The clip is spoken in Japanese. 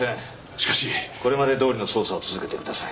しかしこれまでどおりの捜査を続けてください